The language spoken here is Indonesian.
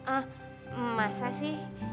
ah masa sih